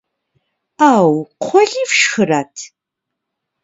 Ӏэу, кхъуэли фшхырэт?